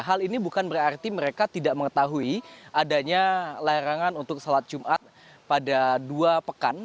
hal ini bukan berarti mereka tidak mengetahui adanya larangan untuk sholat jumat pada dua pekan